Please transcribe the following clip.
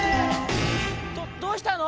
「どどうしたの⁉」。